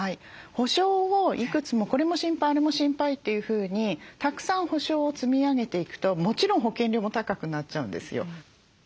保障をいくつもこれも心配あれも心配というふうにたくさん保障を積み上げていくともちろん保険料も高くなっちゃうんですよ。